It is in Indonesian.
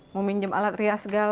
mau minjem alat rias galla